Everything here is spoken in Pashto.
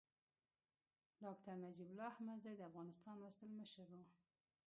ډاکټر نجيب الله احمدزی د افغانستان ولسمشر و.